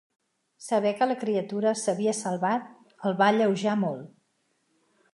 Saber que la criatura s'havia salvat el va alleujar molt.